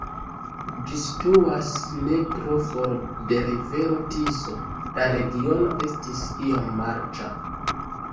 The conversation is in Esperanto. Ĝi situas ne tro for de rivero Tiso, la regiono estis iom marĉa.